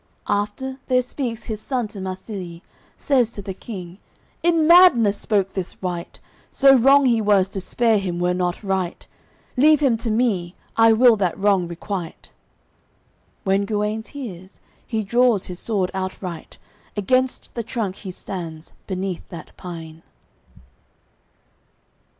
After, there speaks his son to Marsilye, Says to the King: "In madness spoke this wight. So wrong he was, to spare him were not right; Leave him to me, I will that wrong requite." When Guenes hears, he draws his sword outright, Against the trunk he stands, beneath that pine.